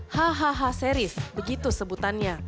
hahaha series begitu sebutannya